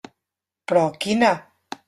Però quina?